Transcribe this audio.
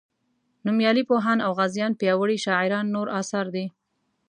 نومیالي پوهان او غازیان پیاوړي شاعران نور اثار دي.